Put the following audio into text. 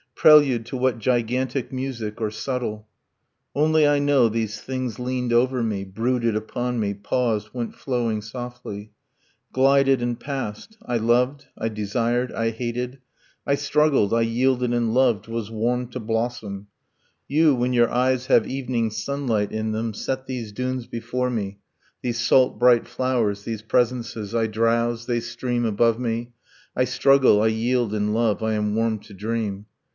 Prelude to what gigantic music, or subtle? Only I know these things leaned over me, Brooded upon me, paused, went flowing softly, Glided and passed. I loved, I desired, I hated, I struggled, I yielded and loved, was warmed to blossom ... You, when your eyes have evening sunlight in them, Set these dunes before me, these salt bright flowers, These presences. ... I drowse, they stream above me, I struggle, I yield and love, I am warmed to dream.